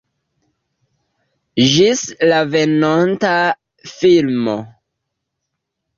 Ĝis la venonta filmo